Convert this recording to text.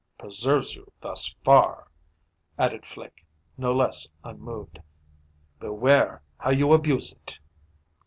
" preserves you thus far," added Flique, no less unmoved. "Beware how you abuse it!"